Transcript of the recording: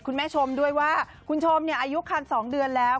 คุณผู้ชมด้วยว่าคุณชมอายุคัน๒เดือนแล้ว